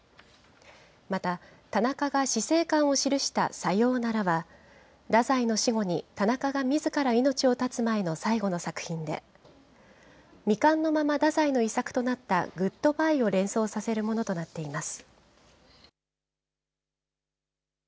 また、田中が死生観を記したさようならは、太宰の死後に田中がみずから命を絶つ前の最後の作品で、未完のまま太宰の遺作となったグッド・バイを連想させるものとなっています。